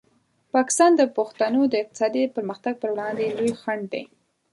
پاکستان د پښتنو د اقتصادي پرمختګ په وړاندې لوی خنډ دی.